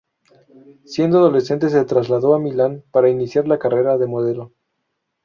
Siendo adolescente se trasladó a Milán para iniciar la carrera de modelo.